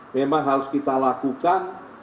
memang harus kita lakukan